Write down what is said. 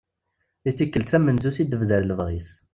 I tikkelt tamenzut i d-tebder lebɣi-s.